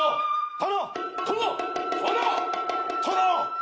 殿！